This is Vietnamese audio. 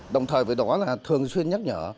đồng thời với đó là thường xuyên nhắc nhở